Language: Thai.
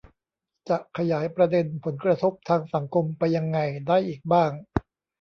จะขยายประเด็นผลกระทบทางสังคมไปยังไงได้อีกบ้าง